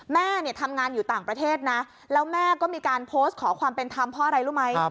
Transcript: แม่เนี่ยทำงานอยู่ต่างประเทศนะแล้วแม่ก็มีการโพสต์ขอความเป็นธรรมเพราะอะไรรู้ไหม